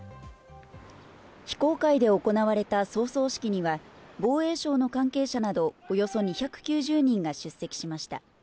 非公開で行われた葬送式には防衛省の関係者などおよそ２９０人が出席しました。